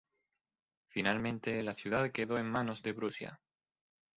Finalmente la ciudad quedó en manos de Prusia.